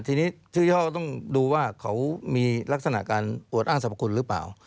ทีนี้ชื่อย่อต้องดูว่าเขามีลักษณะการอวดอ้างสรรพคุณหรือเปล่า